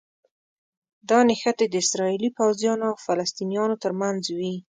دا نښتې د اسراییلي پوځیانو او فلسطینیانو ترمنځ وي.